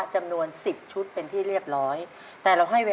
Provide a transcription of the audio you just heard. ช็อก๓สตเตอร์เบอร์ลี่๑